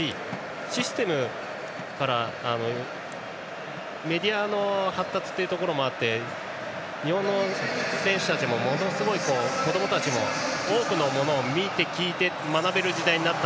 システムから、メディアの発達というところもあって日本の選手たちも、子どもたちも多くのものを見て聞いて学べる時代になった。